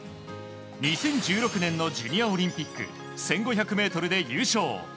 ２０１６年のジュニアオリンピック１５００ｍで優勝。